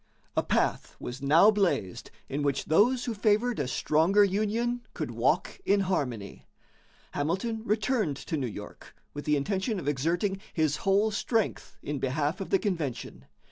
A path was now blazed in which those who favored a stronger union could walk in harmony. Hamilton returned to New York with the intention of exerting his whole strength in behalf of the convention.